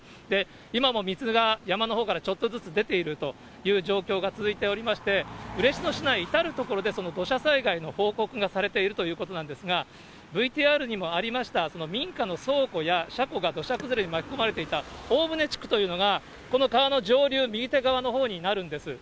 今も水が山のほうからちょっとずつ出ているという状況が続いておりまして、嬉野市内、至る所で土砂災害の報告がされているということなんですが、ＶＴＲにもありました、民家の倉庫や車庫が土砂崩れに巻き込まれていたおおむれ地区というのがこの川の上流右手側のほうになるんです。